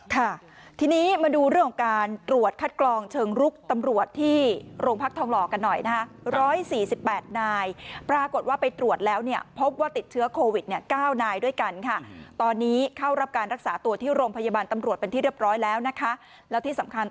ค่ะทีนี้มาดูเรื่องการตรวจคัดกรองเชิงรุกตำรวจที่โรงพักษณ์ทองหลอกันหน่อยนะฮะ